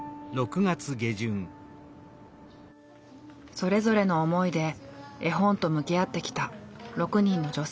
それぞれの思いで絵本と向き合ってきた６人の女性たち。